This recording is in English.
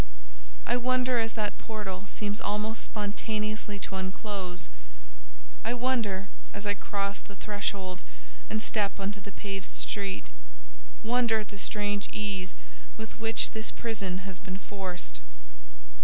I wonder as that portal seems almost spontaneously to unclose—I wonder as I cross the threshold and step on the paved street, wonder at the strange ease with which this prison has been forced.